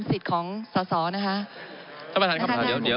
สิทธิ์ของสาวนะคะท่านพระท่านครับเดี๋ยวเดี๋ยวเดี๋ยว